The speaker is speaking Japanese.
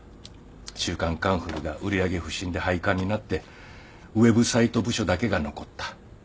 『週刊カンフル』が売り上げ不振で廃刊になってウェブサイト部署だけが残った。